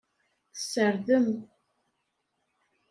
Tessardem.